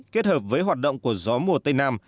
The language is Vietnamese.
kết hợp với hoạt động của gió mùa tây nam